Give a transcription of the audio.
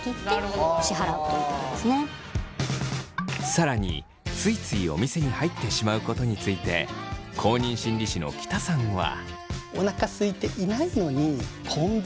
さらについついお店に入ってしまうことについて公認心理師の喜田さんは。